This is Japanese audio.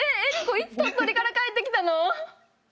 いつ鳥取から帰って来たの？